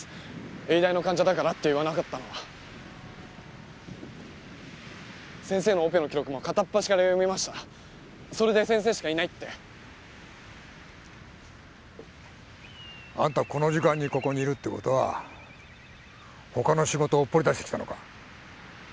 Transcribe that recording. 「永大の患者だから」って言わなかったのは先生のオペの記録も片っ端から読みましたそれで先生しかいないってアンタこの時間にここにいるってことはほかの仕事ほっぽりだしてきたのか？